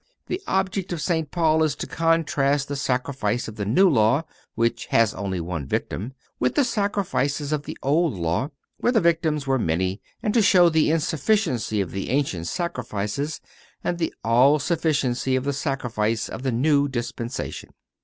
The object of St. Paul is to contrast the Sacrifice of the New Law, which has only one victim, with the sacrifices of the Old Law, where the victims were many; and to show the insufficiency of the ancient sacrifices and the all sufficiency of the Sacrifice of the new dispensation.